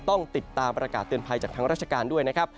ต้องติดตามประกาศเตือนภัยจากทางราชการด้วยนะครับ